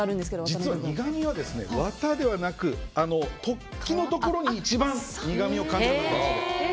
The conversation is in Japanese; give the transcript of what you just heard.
実は苦みはワタではなく突起のところに一番苦みを感じるんだそうです。